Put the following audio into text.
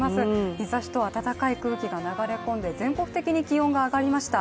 日ざしと暖かい空気が流れ込んで全国的に気温が上がりました。